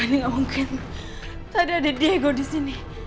tidak mungkin tadi ada diego disini